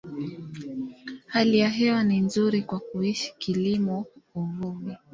Hali ya hewa ni nzuri kwa kuishi, kilimo, uvuvi.